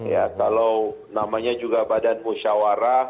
ya kalau namanya juga badan musyawarah